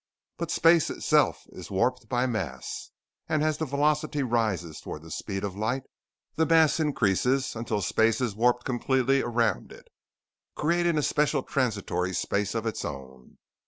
But space itself is warped by mass, and as the velocity rises toward the speed of light the mass increases until space is warped completely around it, creating a special transitory space of its own.